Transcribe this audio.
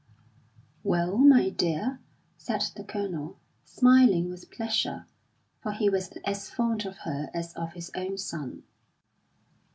"Well, my dear?" said the Colonel, smiling with pleasure, for he was as fond of her as of his own son.